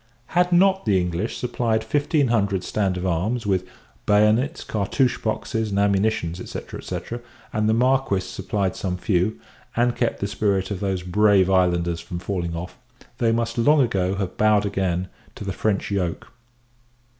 Had not the English supplied fifteen hundred stand of arms, with bayonets, cartouch boxes, and ammunition, &c. &c. and the Marquis supplied some few, and kept the spirit of those brave islanders from falling off, they must long ago have bowed again to the French yoke.